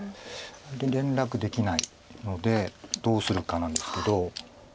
連絡できないのでどうするかなんですけど。